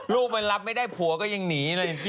ลูกมันรับไม่ได้ผัวก็ยังหนีเลย